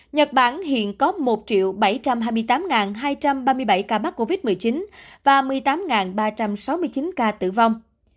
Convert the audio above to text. nhật bản hiện có một bảy trăm hai mươi tám hai trăm ba mươi bảy ca mắc covid một mươi chín và một mươi tám ba trăm sáu mươi chín ca tử vong